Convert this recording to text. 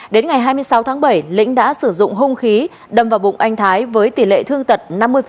đến ngày hai mươi sáu tháng bảy lĩnh đã sử dụng hung khí đâm vào bụng anh thái với tỷ lệ thương tật năm mươi